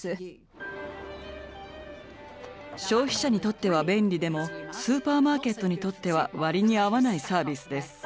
消費者にとっては便利でもスーパーマーケットにとっては割に合わないサービスです。